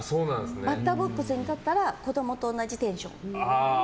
バッターボックスに入ったら子供と同じテンション。